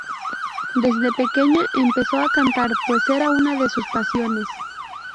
Desde pequeña empezó a cantar pues era una de sus pasiones.